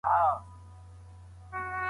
هغه به راغی .